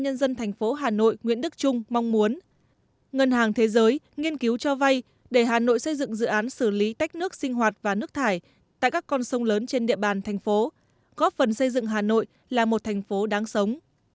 ngân hàng thế giới nghiên cứu cho vay để hà nội xây dựng dự án xử lý tách nước sinh hoạt và nước thải tại các con sông lớn trên địa bàn thành phố góp phần xây dựng hà nội là một thành phố đáng sống